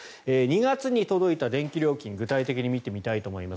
２月に届いた電気料金を見てみたいと思います。